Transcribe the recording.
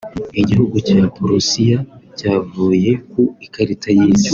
Igihugu cya Prussia cyavuye ku ikarita y’isi